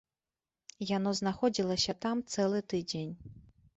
Яно знаходзілася там цэлы тыдзень.